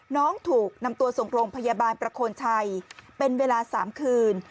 น้องถูกนำตัวส่งโรงพยาบาลประโคนชัยเป็นเวลา๓คืน